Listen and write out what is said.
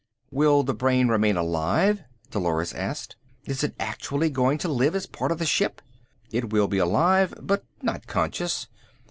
"Will the brain remain alive?" Dolores asked. "Is it actually going to live as part of the ship?" "It will be alive, but not conscious.